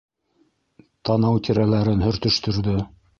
Танау тирәләрен һөртөштөрҙө.